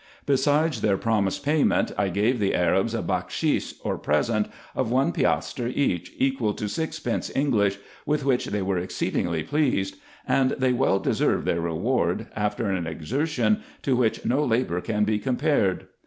Besides their promised payment, I gave the Arabs a bakshis, or present, of one piastre each, equal to sixpence English, with which they were exceedingly pleased ; and they well deserved their reward, after an exertion, to which no labour can be compared.